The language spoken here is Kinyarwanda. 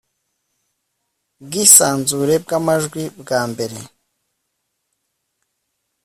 bwisanzure bw amajwi bwa mbere